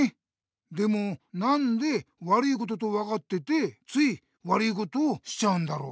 でもなんで悪いこととわかっててつい悪いことをしちゃうんだろう？